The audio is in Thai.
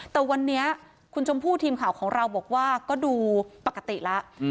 แต่วันนี้คุณชมพู่ทีมข่าวของเราบอกว่าก็ดูปกติแล้ว